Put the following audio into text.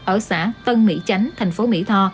ở xã tân mỹ chánh thành phố mỹ tho